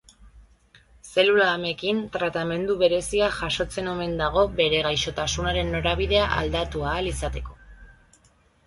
Zelula amekin tratamendu berezia jasotzen omen dago bere gaixotasunaren norabidea aldatu ahal izateko.